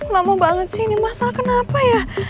lama banget sih ini masalah kenapa ya